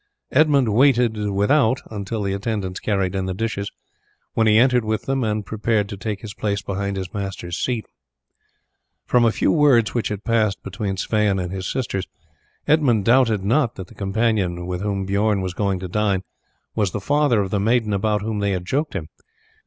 Edmund waited without until the attendants carried in the dishes, when he entered with them and prepared to take his place behind his master's seat. From a few words which had passed between Sweyn and his sisters Edmund doubted not that the companion with whom Bijorn was going to dine was the father of the maiden about whom they had joked him.